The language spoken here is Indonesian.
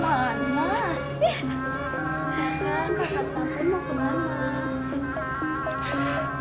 kakak kakak mau ke mana